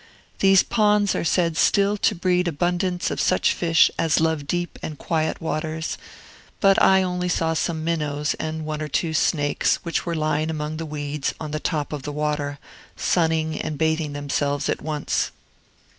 These ponds are said still to breed abundance of such fish as love deep and quiet waters; but I saw only some minnows, and one or two snakes, which were lying among the weeds on the top of the water, sunning and bathing themselves at once.